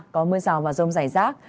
có mưa rào và rông rải rác